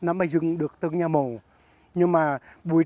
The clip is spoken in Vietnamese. mặc nạ muốn cười